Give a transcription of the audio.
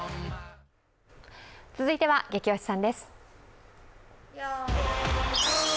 続いては「ゲキ推しさん」です。